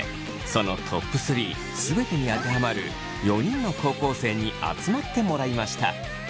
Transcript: そのＴＯＰ３全てにあてはまる４人の高校生に集まってもらいました。